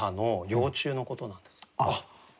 芋虫のことなんですね。